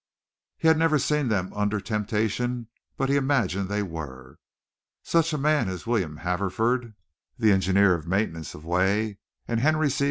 He had never seen them under temptation but he imagined they were. Such a man as William Haverford, the Engineer of Maintenance of Way, and Henry C.